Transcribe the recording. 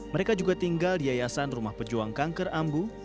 mereka juga tinggal di yayasan rumah pejuang kanker ambu